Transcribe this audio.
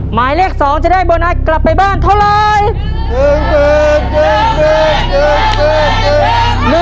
หมายเลข๒จะได้โบนัสกลับไปบ้านเท่าไร